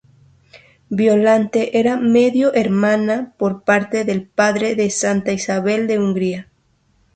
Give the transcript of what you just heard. Violante era medio hermana por parte de padre de Santa Isabel de Hungría.